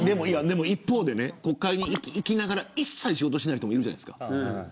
一方で国会に行きながら一切、仕事しない人いるじゃないですか。